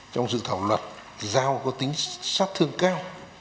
trong dự thảo luật giao có tính sát thương cao